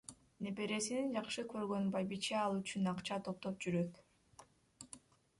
Небересин жакшы көргөн байбиче ал үчүн акча топтоп жүрөт.